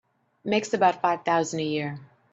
Makes about five thousand a year.